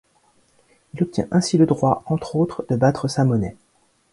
Il obtient ainsi le droit, entre autres, de battre sa monnaie.